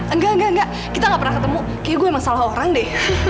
enggak enggak enggak kita gak pernah ketemu kayaknya gue emang salah orang deh